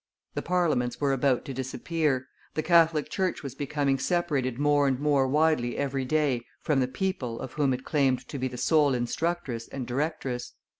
The Parliaments were about to disappear, the Catholic church was becoming separated more and more widely every day from the people of whom it claimed to be the sole instructress and directress.